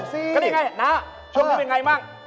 และนี่ไงนาช่วงนี้เป็นอย่างไรบ้าง